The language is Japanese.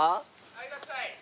いらっしゃい！